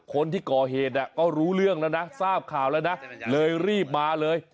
คนที่ก่อเหตุก็รู้เรื่องแล้วนะทราบข่าวแล้วนะเลยรีบมาเลย